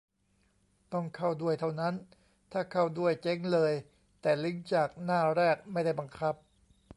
ต้องเข้าด้วย เท่านั้น ถ้าเข้าด้วย เจ๊งเลย แต่ลิงก์จากหน้าแรกไม่ได้บังคับ